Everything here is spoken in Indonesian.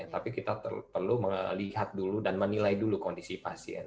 tapi kita perlu melihat dulu dan menilai dulu kondisi pasien